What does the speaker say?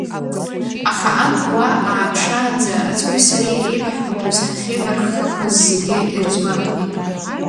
Аха анҭ ауаа ааԥшаанӡа ацгәи сареи еибаҳҳәақәаз, ҳахьеибарххақәаз зегьы ирызгәамҭеит.